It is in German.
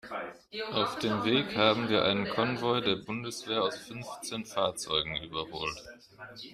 Auf dem Weg haben wir einen Konvoi der Bundeswehr aus fünfzehn Fahrzeugen überholt.